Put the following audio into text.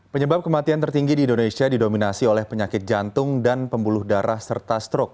penyebab kematian tertinggi di indonesia didominasi oleh penyakit jantung dan pembuluh darah serta strok